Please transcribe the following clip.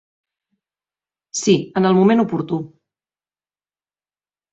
Sí, en el moment oportú.